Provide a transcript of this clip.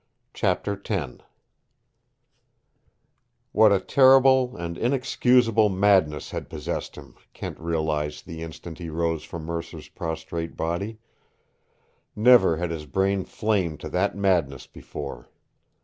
CHAPTER X What a terrible and inexcusable madness had possessed him, Kent realized the instant he rose from Mercer's prostrate body. Never had his brain flamed to that madness before.